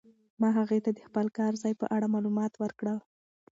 ما هغې ته د خپل کار ځای په اړه معلومات ورکړل.